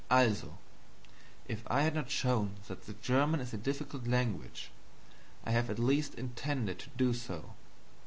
"ALSO!" If I had not shown that the German is a difficult language, I have at least intended to do so.